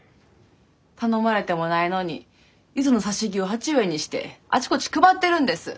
頼まれてもないのに柚子の挿し木を鉢植えにしてあちこち配ってるんです。